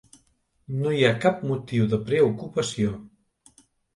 No hi ha cap motiu de preocupació.